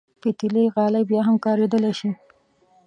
پتېلي غالۍ بیا هم کارېدلی شي.